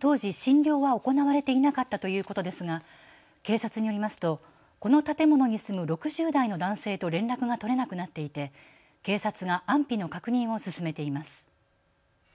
当時、診療は行われていなかったということですが警察によりますとこの建物に住む６０代の男性と連絡が取れなくなっていて警察が安否の確認を進めています。